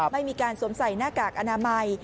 ไม่มีการสวมใส่หน้ากากอนามัย